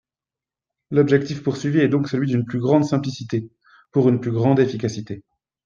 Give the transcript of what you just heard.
L’objectif poursuivi est donc celui d’une plus grande simplicité, pour une plus grande efficacité.